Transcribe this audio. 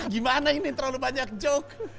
gimana ini terlalu banyak joke